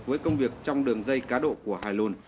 với công việc trong đường dây cá độ của hải lộn